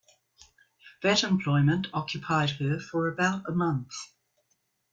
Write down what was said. That employment occupied her for about a month.